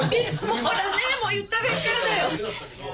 ほらねもう言った先からだよ。